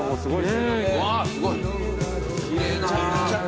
すごい！